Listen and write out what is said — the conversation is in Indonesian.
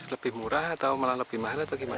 lebih murah atau malah lebih mahal atau gimana